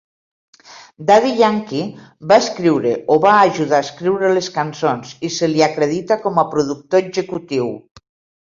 Daddy Yankee va escriure o va ajudar a escriure les cançons, i se li acredita com a productor executiu.